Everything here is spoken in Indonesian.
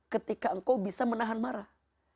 ketika engkau bisa menahan marah